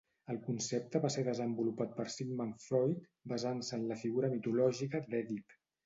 El concepte va ser desenvolupat per Sigmund Freud, basant-se en la figura mitològica d'Èdip.